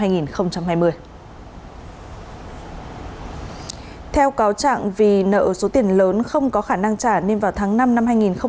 theo cáo trạng vì nợ số tiền lớn không có khả năng trả nên vào tháng năm năm hai nghìn hai mươi